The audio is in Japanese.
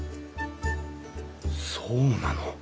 そうなの？